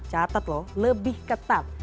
catat loh lebih ketat